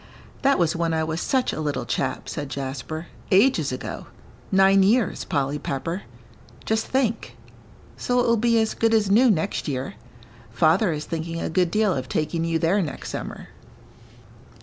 "That was when I was such a little chap," said Jasper, "ages ago, nine years, Polly Pepper, just think; so it will be as good as new next year. Father is thinking a good deal of taking you there next summer."